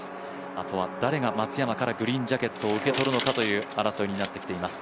あとは誰が松山からグリーンジャケットを受け取るのかという争いになってきています。